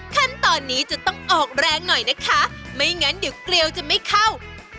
ขั้นตอนนี้จะต้องออกแรงหน่อยนะคะไม่งั้นเดี๋ยวเกลียวจะไม่เข้า